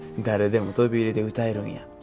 誰でも飛び入りで歌えるんや。